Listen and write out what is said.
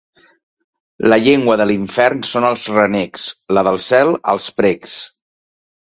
La llengua de l'infern són els renecs; la del cel, els precs.